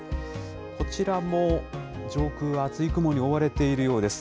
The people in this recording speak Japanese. こちらも上空は厚い雲に覆われているようです。